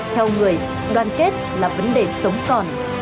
theo người đoàn kết là vấn đề sống còn